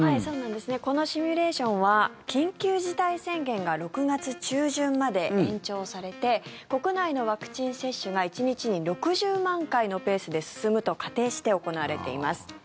このシミュレーションは緊急事態宣言が６月中旬まで延長されて国内のワクチン接種が１日に６０万回のペースで進むと仮定して行われています。